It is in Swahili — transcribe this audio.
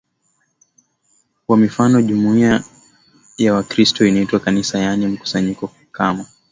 wa mifano Jumuia ya Wakristo inaitwa Kanisa yaani mkusanyiko kama